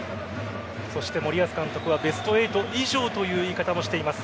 そして森保監督はベスト８以上という言い方もしています。